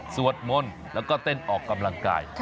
สวดมนต์แล้วก็เต้นออกกำลังกาย